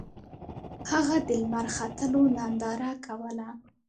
هغه د لمر ختلو ننداره کوله.